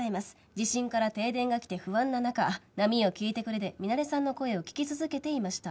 地震から停電がきて不安な中『波よ聞いてくれ』でミナレさんの声を聴き続けていました。